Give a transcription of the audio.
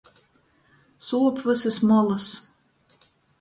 Suop vysys molys.